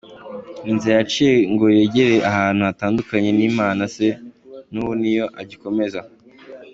Inzira yaciye ngo yegere abantu adatandukanye n’Imana Se, n’ubu niyo agikomeza.